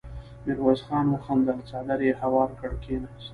ميرويس خان وخندل، څادر يې هوار کړ، کېناست.